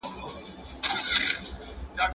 ¬¬آس که ټکنى دئ، ميدان يي لنډنى دئ.